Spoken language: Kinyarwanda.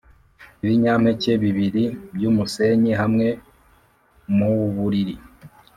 ibinyampeke bibiri byumusenyi hamwe muburiri,